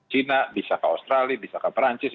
china bisa ke australia bisa ke perancis